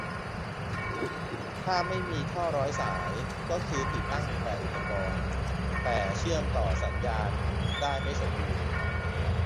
ถ้าไม่มีท่อร้อยสาย ก็คือติดตั้งแต่อุปกรณ์ แต่เชื่อมต่อสายสัญญาณได้ไม่สมบูรณ์